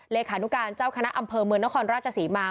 เลขานุการเจ้าคณะอำเภอเมืองนครราชศรีมา